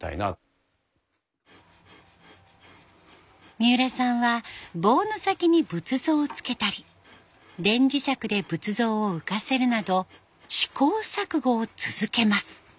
三浦さんは棒の先に仏像をつけたり電磁石で仏像を浮かせるなど試行錯誤を続けます。